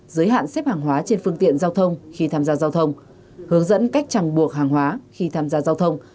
giới hạn xếp hàng hóa trên phương tiện giao thông khi tham gia giao thông hướng dẫn cách chẳng buộc hàng hóa khi tham gia giao thông